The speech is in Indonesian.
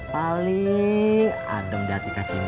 paling hadam di hati kacimu